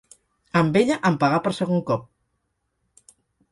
Amb ella em pegà per segon cop.